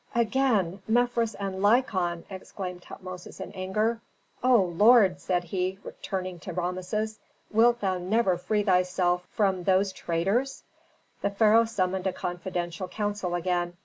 "Again Mefres and Lykon!" exclaimed Tutmosis in anger. "O lord," said he, turning to Rameses, "wilt thou never free thyself from those traitors?" The pharaoh summoned a confidential council again.